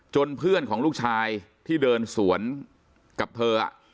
เพื่อนของลูกชายที่เดินสวนกับเธอ